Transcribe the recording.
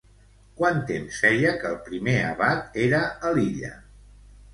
Quant temps feia que el primer abat era a l'illa?